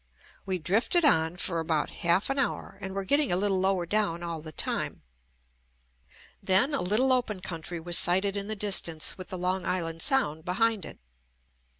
We drifted on for about half an hour and were getting a little lower down all the time. Then a little open country was sighted in the distance with the JUST ME Long Island Sound behind it.